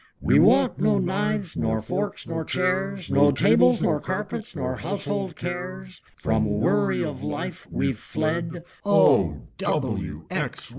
We want no knives nor forks nor chairs, No tables nor carpets nor household cares; From worry of life we've fled; Oh! W! X!